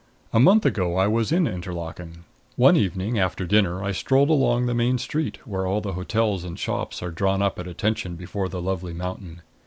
A month ago I was in Interlaken. One evening after dinner I strolled along the main street, where all the hotels and shops are drawn up at attention before the lovely mountain.